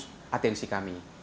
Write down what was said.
ini fokus atensi kami